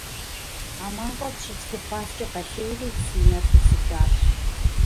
А мафӀэм щыщ зы хъуаскӀэ къэлъейри си нэр щӀисыкӀащ.